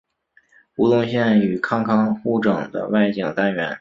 吴宗宪与康康互整的外景单元。